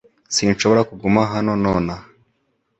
Sinshobora kuguma hano nonaha .